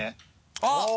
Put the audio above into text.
あっ！